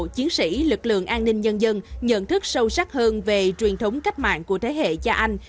chiến sĩ lực lượng an ninh nhân dân nhận thức sâu sắc hơn về truyền thống cách mạng của thế hệ cha anh